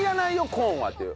コーンはっていう。